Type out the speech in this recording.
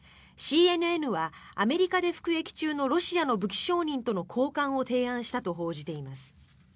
ＣＮＮはアメリカで服役中のロシアの武器商人との交換を提案したと報じています。